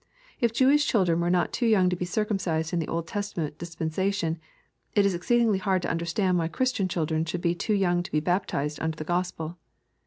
If Jewish children were not too young to be circumcised in the Old Testament dispen sation, it is exceedingly hard to understand why Chris tian children should be too young to be baptized under the Gospel.